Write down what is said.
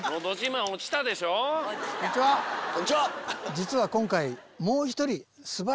実は今回。